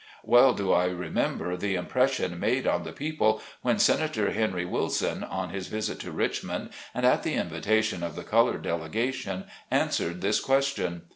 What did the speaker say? Well do I remember the impression made on the people when Senator Henry Wilson, on his visit to Richmond, and at the invitation of the colored delegation, answered this question.